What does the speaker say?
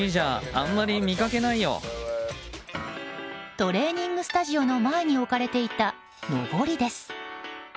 トレーニングスタジオの前に置かれていた、のぼりです。